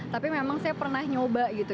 tapi memang saya pernah nyoba gitu